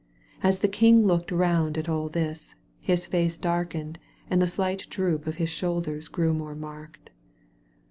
As the King looked round at all this» his face darkened and the slight droop of his shoulders grew more marked.